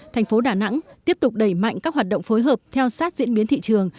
thành phố đà nẵng tiếp tục đẩy mạnh các hoạt động phối hợp theo sát diễn biến thị trường